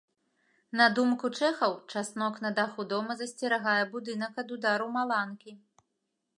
На думку чэхаў, часнок на даху дома засцерагае будынак ад удару маланкі.